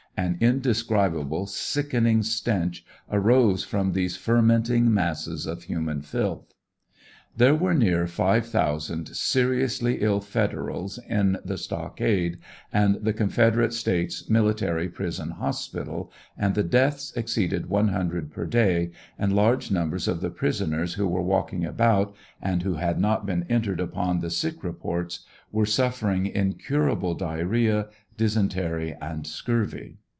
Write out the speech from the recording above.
An indescribable sickening stench arose from these fermenting masses of human filth. There were near five thousand seriously ill Federals in the stock ade and the Confederate States Military Prison Hospital, and the deaths exceeded one hundred per day, and large numbers of the pris oners who were walking about, and who had not been entered upon the sick reports, were suffering incurable diarrhea, dysentery, and scurvy.